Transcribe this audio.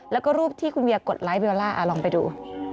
แล้วก็รูปที่คุณเวียกดไลคเบลล่าลองไปดู